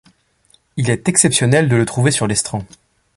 Il est exceptionnel de le trouver sur l'estran.